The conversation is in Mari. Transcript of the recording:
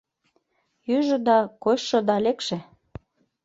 Йӱжӧ да, кочшо да, лекше.